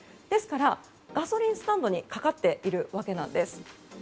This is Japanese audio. ですから、ガソリンスタンドにかかっているわけなんです。